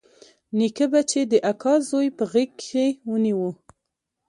نيکه به چې د اکا زوى په غېږ کښې ونيو.